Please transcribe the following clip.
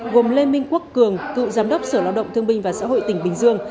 gồm lê minh quốc cường cựu giám đốc sở lao động thương binh và xã hội tỉnh bình dương